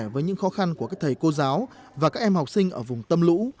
với những khó khăn của các thầy cô giáo và các em học sinh ở vùng tâm lũ